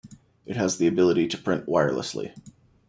It has the ability to print wirelessly.